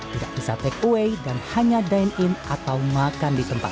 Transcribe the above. tidak bisa take away dan hanya dine in atau makan di tempat